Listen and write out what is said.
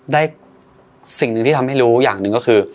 สิ่งหนึ่งที่ทำให้รู้อย่างหนึ่งก็คือ